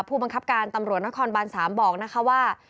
ผู้บังคับการตำรวจนครบาน๓บอกนะคะว่า